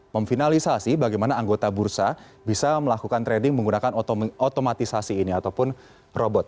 memfinalisasi bagaimana anggota bursa bisa melakukan trading menggunakan otomatisasi ini ataupun robot